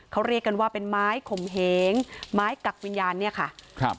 เขาเรียกกันว่าเป็นไม้ขมเหงไม้กักวิญญาณเนี่ยค่ะครับ